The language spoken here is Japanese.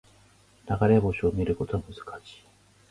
流れ星を見ることは難しい